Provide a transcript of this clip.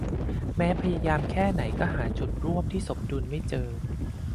แม้พยายามแค่ไหนก็หาจุดร่วมที่สมดุลไม่เจอ